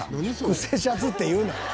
「クセシャツ」って言うな！